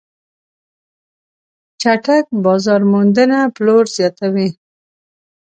چټک بازار موندنه پلور زیاتوي.